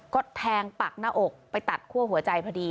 ก็แทงปักหน้าอกไปตัดคั่วหัวใจพอดี